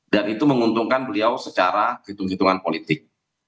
dan itu menguntungkan beliau secara hitung hitungan politik